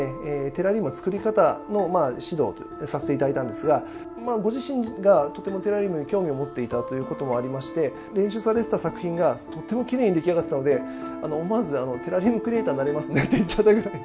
テラリウムの作り方の指導をさせて頂いたんですがご自身がとてもテラリウムに興味を持っていたということもありまして練習されてた作品がとてもきれいに出来上がっていたので思わずテラリウムクリエーターになれますねって言っちゃったぐらい。